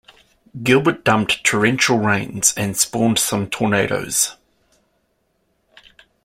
Gilbert dumped torrential rains and spawned some tornadoes.